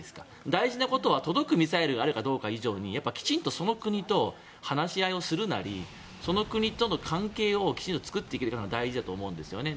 大事なことは届くミサイルがあるかどうか以上にやっぱりきちんとその国と話し合いをするなりその国との関係をきちんと作っていくほうが大事だと思うんですね。